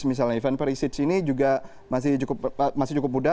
misalnya event perisic ini juga masih cukup muda